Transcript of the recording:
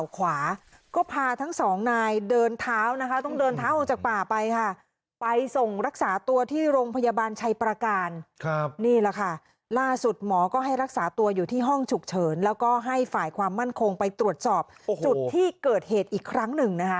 นี่แหละค่ะล่าสุดหมอก็ให้รักษาตัวอยู่ที่ห้องฉุกเฉินแล้วก็ให้ฝ่ายความมั่นคงไปตรวจสอบจุดที่เกิดเหตุอีกครั้งหนึ่งนะคะ